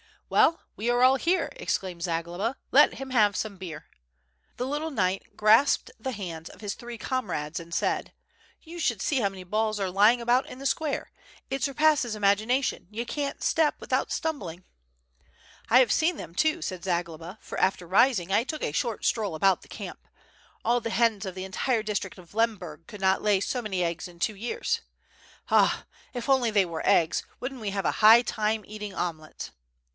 "Well, we are all here/' exclaimed Zagloba, "let him have some beer." The little knight grasped the hands of his three com rades, and said: "You should see how many balls are lying about in the square; it surpasses imagination, you can't step without stumbling." "I have seen them too," said Zagloba, "for after rising I took a short stroll about the camp. AH the hens of the entire district of Lemberg could not lay so many eggs in two years. Ah! if they were only eggs, wouldn't we have a high time eating omelets.